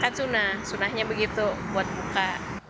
kan sunah sunahnya begitu buat buka